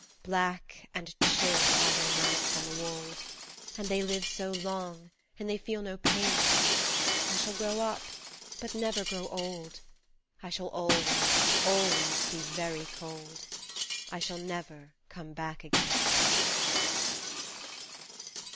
Black and chill are Their nights on the wold ; And They live so long and They feel no pain : I shall grow up, but never grow old, I shall always, always be very cold, I shall never come back again